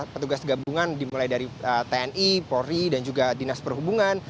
petugas gabungan dimulai dari tni polri dan juga dinas perhubungan